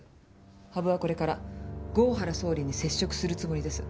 羽生はこれから郷原総理に接触するつもりです。